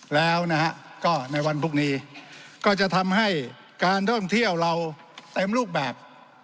แล้วก็ในวันพรุ่งนี้ก็จะทำให้การท่องเที่ยวเราเต็มรูปแบบ